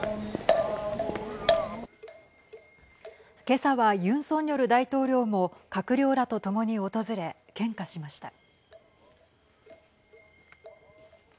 今朝はユン・ソンニョル大統領も閣僚らと共に訪れ献花しました。